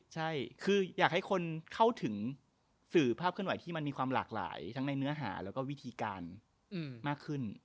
ใช่คืออยากให้คนเข้าถึงสื่อภาพเคลื่อนไหวที่มันมีความหลากหลายทั้งในเนื้อหาแล้วก็วิธีการมากขึ้น